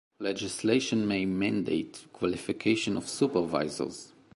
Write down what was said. Legislation may mandate qualifications of supervisors.